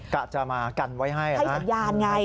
กะจะมากันไว้ให้ให้สัญญาณไง